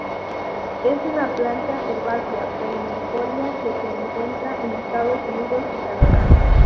Es una planta herbácea perennifolia que se encuentra en Estados Unidos y Canadá.